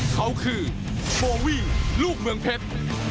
เขาคือโบวิ่งลูกเมืองเพชร